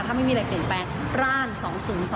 ถ้าไม่มีอะไรเปลี่ยนไปร่าน๒๐๒๑ค่ะ